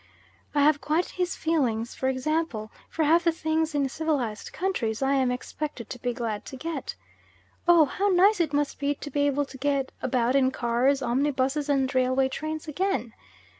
I have quite his feelings, for example, for half the things in civilised countries I am expected to be glad to get. "Oh, how nice it must be to be able to get about in cars, omnibuses and railway trains again!"